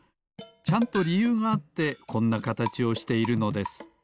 ちゃんとりゆうがあってこんなかたちをしているのです。